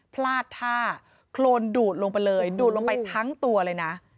พลาดท่าโครนดูดลงไปเลยดูดลงไปทั้งตัวเลยนะ